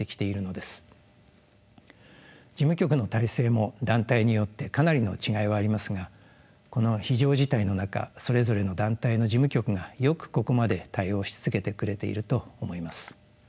事務局の体制も団体によってかなりの違いはありますがこの非常事態の中それぞれの団体の事務局がよくここまで対応し続けてくれていると思います。